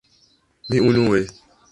Mi unue...